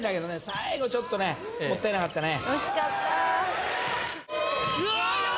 最後ちょっとねもったいなかったね